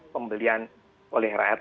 pembelian oleh rakyat